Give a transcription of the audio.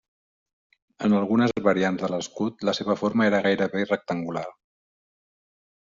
En algunes variants de l'escut la seva forma era gairebé rectangular.